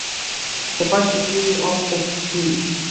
The first issue of Whoopee!